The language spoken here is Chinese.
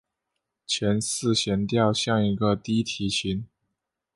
前四弦调像一个低提琴。